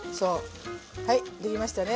はい出来ましたね。